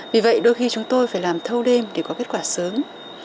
vì vậy đôi khi chúng tôi phải làm thâu đêm để có kết quả sớm